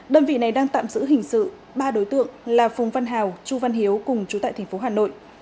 đơn vị này đang tạm giữ hình sự ba đối tượng là phùng văn hào chu văn hiếu cùng chú tại tp hà nội